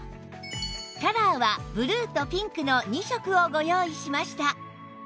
カラーはブルーとピンクの２色をご用意しました